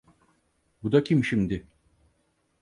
Bu da kim şimdi?